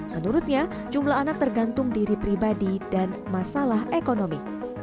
menurutnya jumlah anak tergantung diri pribadi dan masalah ekonomi